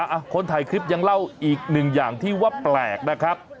อ่ะคนถ่ายคลิปยังเล่าอีกหนึ่งอย่างที่ว่าแปลกนะครับ